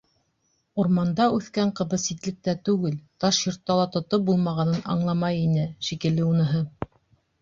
Урманда үҫкән ҡыҙҙы ситлектә түгел, таш йортта ла тотоп булмағанын аңламай ине шикелле уныһы.